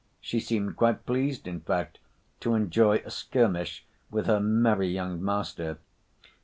She seemed quite pleased, in fact, to enjoy a skirmish with her merry young master.